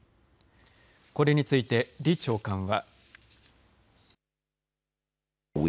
これについて李長官は。